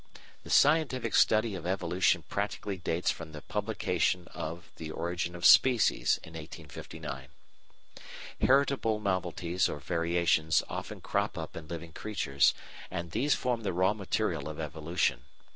The scientific study of evolution practically dates from the publication of The Origin of Species in 1859. Heritable novelties or variations often crop up in living creatures, and these form the raw material of evolution.